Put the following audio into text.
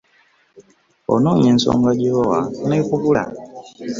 Onoonya ensonga gy'owa n'ekubula.